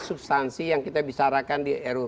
substansi yang kita bisarakan di ruu